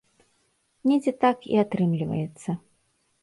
Недзе так і атрымліваецца.